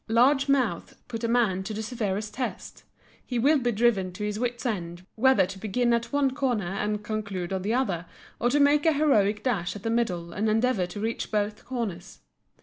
Large mouths put a man to the severest test; he will be driven to his wit's end whether to begin at one corner and conclude on the other, or to make a heroic dash at the middle and endeavor to reach both corners.